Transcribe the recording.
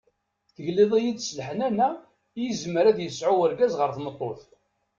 Tegliḍ-iyi-d s leḥnana i yezmer ad yesɛu urgaz ɣer tmeṭṭut.